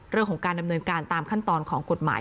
เรื่องของการดำเนินการตามขั้นตอนของกฎหมาย